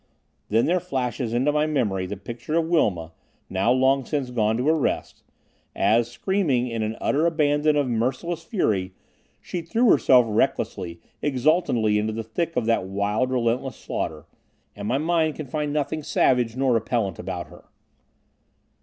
Then there flashes into my memory the picture of Wilma (now long since gone to her rest) as, screaming in an utter abandon of merciless fury, she threw herself recklessly, exultantly into the thick of that wild, relentless slaughter; and my mind can find nothing savage nor repellent about her.